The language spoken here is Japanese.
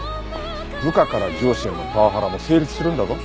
部下から上司へのパワハラも成立するんだぞ。